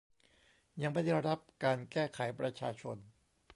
ยังไม่ได้รับการแก้ไขประชาชน